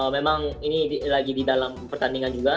memang ini lagi di dalam pertandingan juga